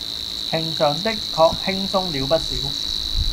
平常的確輕鬆了不少